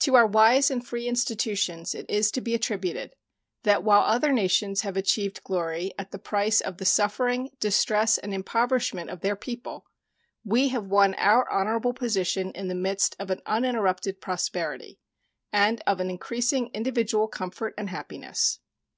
To our wise and free institutions it is to be attributed that while other nations have achieved glory at the price of the suffering, distress, and impoverishment of their people, we have won our honorable position in the midst of an uninterrupted prosperity and of an increasing individual comfort and happiness.